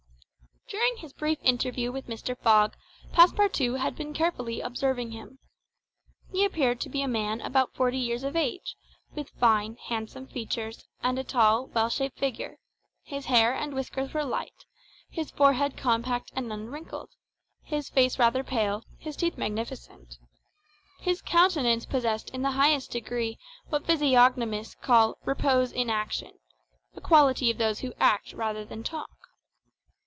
During his brief interview with Mr. Fogg, Passepartout had been carefully observing him. He appeared to be a man about forty years of age, with fine, handsome features, and a tall, well shaped figure; his hair and whiskers were light, his forehead compact and unwrinkled, his face rather pale, his teeth magnificent. His countenance possessed in the highest degree what physiognomists call "repose in action," a quality of those who act rather than talk.